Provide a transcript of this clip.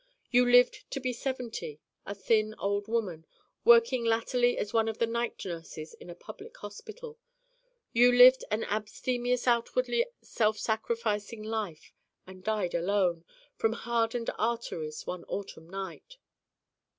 You lived to be seventy, a thin old woman, working latterly as one of the night nurses in a public hospital. You lived an abstemious outwardly self sacrificing life and died alone, from hardened arteries, one autumn night.